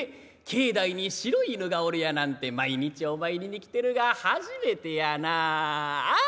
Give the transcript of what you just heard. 境内に白い犬がおるやなんて毎日お参りに来てるが初めてやなあ。